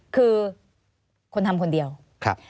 คือคนทำคนเดียวครับ